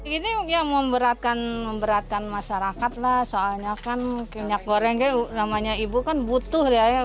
ini ya memberatkan masyarakat lah soalnya kan minyak goreng namanya ibu kan butuh ya